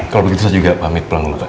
kalau begitu saya juga pamit pulang dulu pak